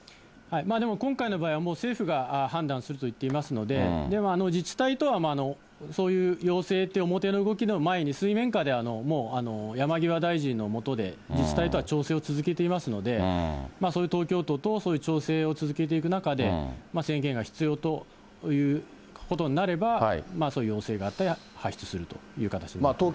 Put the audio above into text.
でも今回の場合は政府が判断すると言っていますので、自治体とは、そういう要請という表の動きの前に、水面下ではもう、山際大臣の下で自治体とは調整を続けていますので、そういう東京都と調整を続けていく中で、宣言が必要ということになれば、要請があったら発出するという形になると思います。